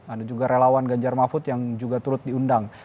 ada juga relawan ganjar mafud yang juga turut diundang